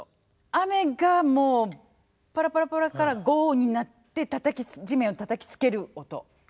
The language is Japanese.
雨がもうパラパラパラから豪雨になって地面をたたきつける音。